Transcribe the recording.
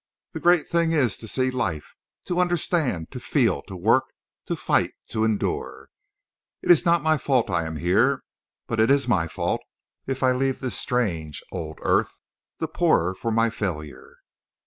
The great thing is to see life—to understand—to feel—to work—to fight—to endure. It is not my fault I am here. But it is my fault if I leave this strange old earth the poorer for my failure....